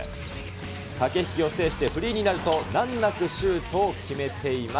駆け引きを制してフリーになると、難なくシュートを決めています。